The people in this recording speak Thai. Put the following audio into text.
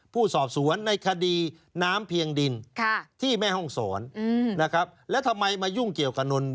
ผู้สอบสวนในคดีน้ำเพียงดินที่แม่ห้องศรนะครับแล้วทำไมมายุ่งเกี่ยวกับนนท